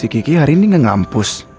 si kiki hari ini gak ngampus